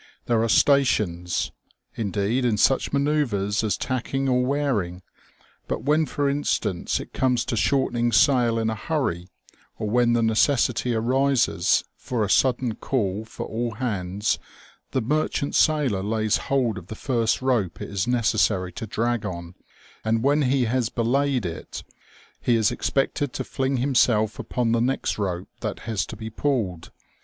There are stations" indeed in such manoeuvres as tacking or wearing ; but when, for instance, it comes to shortening sail in a hurry, or when the necessity arises for a sudden call for all hands, the merchant sailor lays hold of the first rope it is necessary to drag on, and when he has belayed " it, he is ex pected to fling himself upon the next rope that has to be pulled.